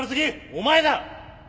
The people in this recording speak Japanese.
お前だ！